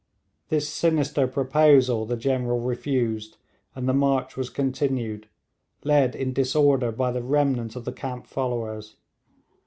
This sinister proposal the General refused, and the march was continued, led in disorder by the remnant of the camp followers.